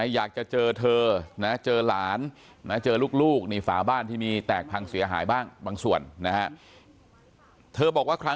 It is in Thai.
อยากจะเจอเธอเจอหลานเจอลูกฝ่าบ้านที่มีแตกพังเสียหายบ้างบางส่วนนะฮะ